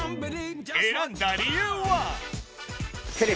選んだ理由は？